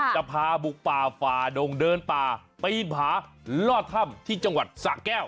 จะพาบุกป่าฝ่าดงเดินป่าปีนผาล่อถ้ำที่จังหวัดสะแก้ว